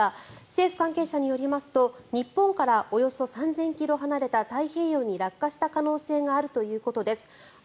政府関係者によりますと日本からおよそ３０００ｋｍ離れた太平洋に落下した可能性があるということです。